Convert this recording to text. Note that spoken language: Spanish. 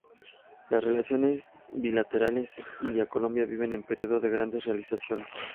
Las Relaciones Bilaterales India-Colombia viven un periodo de grandes realizaciones.